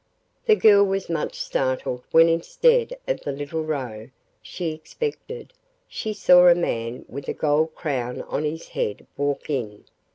The girl was much startled when instead of the little Roe she expected she saw a man with a gold crown on his head walk in.